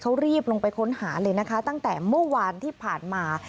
เขารีบลงไปค้นหาเลยนะคะตั้งแต่เมื่อวานที่ผ่านมา